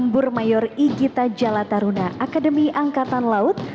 burmayor i gita jalataruna akademi angkatan laut